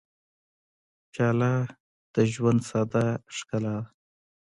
پیاله د ژوند ساده ښکلا ده.